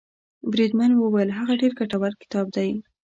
بریدمن وویل هغه ډېر ګټور کتاب دی.